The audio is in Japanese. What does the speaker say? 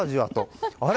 あれ？